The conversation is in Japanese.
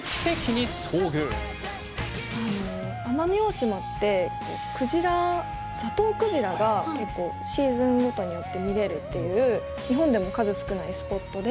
奄美大島ってクジラザトウクジラがシーズンごとによって見れるっていう日本でも数少ないスポットで。